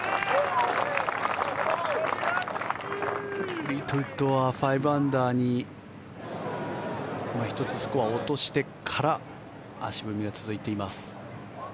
フリートウッドは５アンダーに１つスコアを落としてから足踏みが続いています。